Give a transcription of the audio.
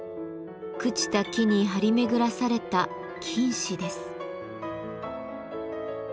朽ちた木に張り巡らされた菌糸です。